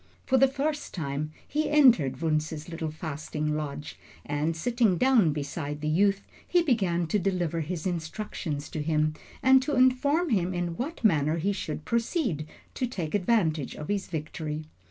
For the first time he entered Wunzh's little fasting lodge, and sitting down beside the youth, he began to deliver his instructions to him and to inform him in what manner he should proceed to take advantage of his victory.